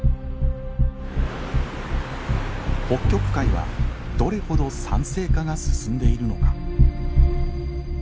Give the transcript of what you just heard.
北極海はどれほど酸性化が進んでいるのか。